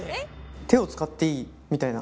手を使っていいみたいな？